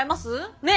ねえ！